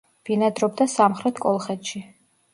ბინადრობდა სამხრეთ კოლხეთში.